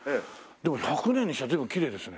でも１００年にしちゃ随分きれいですね。